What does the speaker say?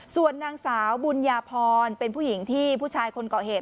ส่วนนางสาวบุญญาพรเป็นผู้หญิงที่ผู้ชายคนเกาะเหตุ